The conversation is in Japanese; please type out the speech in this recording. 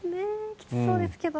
きつそうですけど。